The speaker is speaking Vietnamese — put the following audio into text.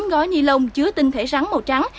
hai mươi chín gói ni lông chứa tinh thể rắn màu trắng